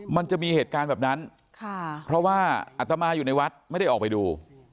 มันจะมีเหตุการณ์แบบนั้นเพราะว่าอัตมาอยู่ในวัดไม่ได้ออกไปดู